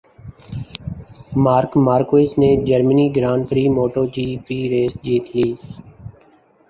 mark Marquez نے جرمنی Grand Prix motto جی پی race جیت لی